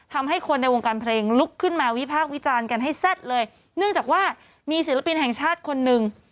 ทำให้คนในวงการเพลงลุกขึ้นมาวิพากษ์วิจารณ์กันให้แซ่บเลยเนื่องจากว่ามีศิลปินแห่งชาติคนหนึ่ง